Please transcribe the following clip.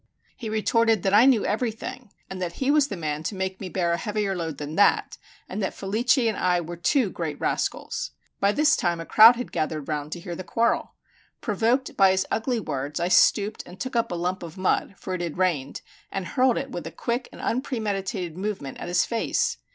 He retorted that I knew everything, and that he was the man to make me bear a heavier load than that, and that Felice and I were two great rascals. By this time a crowd had gathered round to hear the quarrel. Provoked by his ugly words, I stooped and took up a lump of mud for it had rained and hurled it with a quick and unpremeditated movement at his face.